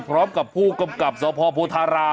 พร้อมกับผู้กำกับสพโพธาราม